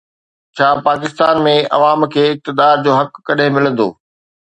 ڇا پاڪستان ۾ عوام کي اقتدار جو حق ڪڏهن ملندو؟